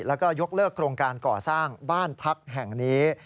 แล้วก็ยกเลิกโครงการก่อสร้างบ้านพักแห่งนี้